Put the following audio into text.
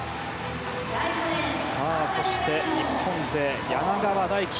そして、日本勢の柳川大樹。